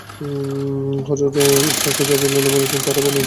যারা হযরত ইসহাককে যাবীহুল্লাহ বলেছেন, তারা বনী ইসরাঈল থেকে এ মত প্রাপ্ত হয়েছেন।